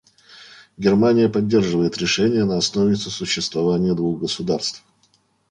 Германия поддерживает решение на основе сосуществования двух государств.